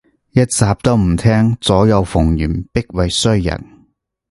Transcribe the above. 一集都唔聼，左右逢源必為衰人